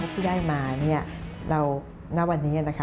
พี่ได้มาณวันนี้นะคะ